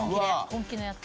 本気のやつ。